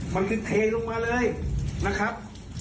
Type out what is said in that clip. มันจะเทลงมาเลยนะครับ